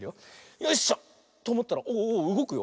よいしょ。とおもったらおおうごくよ。